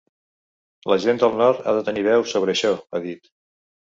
La gent del nord ha de tenir veu sobre això, ha dit.